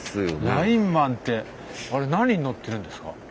ラインマンってあれ何に乗ってるんですか？